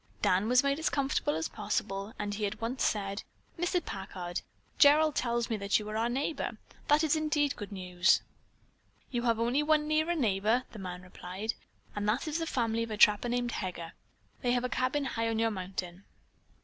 Dan was made as comfortable as possible and he at once said: "Mr. Packard, Gerald tells me that you are our neighbor. That is indeed good news." "You have only one nearer neighbor," the man replied, "and that is the family of a trapper named Heger. They have a cabin high on your mountain."